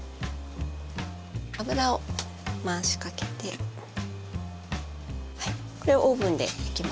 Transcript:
油を回しかけてこれをオーブンで焼きます。